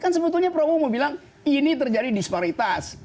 kan sebetulnya prabowo mau bilang ini terjadi disparitas